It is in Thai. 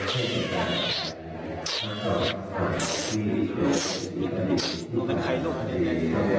หนูเป็นใครลูกหนูเป็นใครครับ